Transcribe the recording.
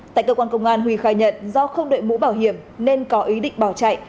tại cơ quan công an huy khai nhận do không đợi mũ bảo hiểm nên có ý định bảo chạy